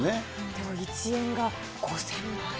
でも１円が５０００万円。